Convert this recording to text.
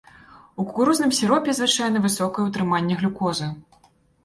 У кукурузным сіропе звычайна высокае ўтрыманне глюкозы.